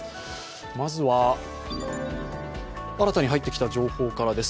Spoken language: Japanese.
まずは、新たに入ってきた情報からです。